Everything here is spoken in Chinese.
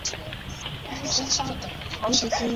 桃卷叶蚜为常蚜科瘤蚜属下的一个种。